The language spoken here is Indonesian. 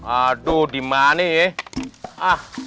aduh dimana ya